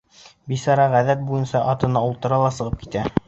Бисара ғәҙәт буйынса атына ултыра ла сығып китә.